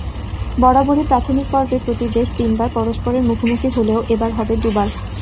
বরাবরই প্রাথমিক পর্বে প্রতি দেশ তিনবার পরস্পরের মুখোমুখি হলেও এবার হবে দুবার।